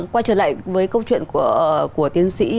quay trở lại với câu chuyện của tiến sĩ